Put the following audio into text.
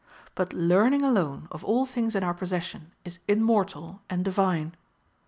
But learning alone, of all things in our possession, is immortal and divine.